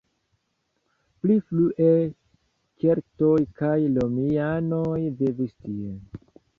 Pli frue keltoj kaj romianoj vivis tie.